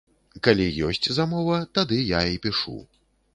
Калі ёсць замова, тады я і пішу.